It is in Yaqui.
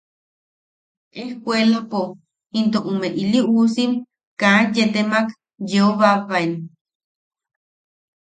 Ejkuelapo into ume iliusim kaa yee temak yeobaebaen.